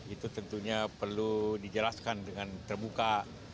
itu tentunya perlu dijelaskan dengan terbuka